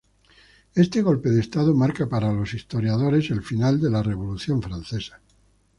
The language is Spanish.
Este golpe de estado marca para los historiadores el final de la Revolución francesa.